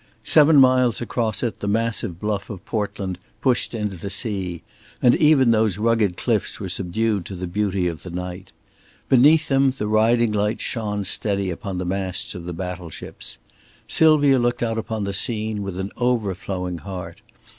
Seven miles across it the massive bluff of Portland pushed into the sea; and even those rugged cliffs were subdued to the beauty of the night. Beneath them the riding lights shone steady upon the masts of the battle ships. Sylvia looked out upon the scene with an overflowing heart.